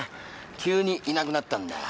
急にいなくなったんだ。